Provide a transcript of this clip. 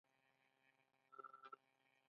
ایا زه باید شیرپیره وخورم؟